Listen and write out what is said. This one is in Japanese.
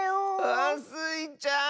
あスイちゃん。